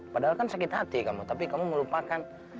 padahal kan sakit hati kamu tapi kamu melupakan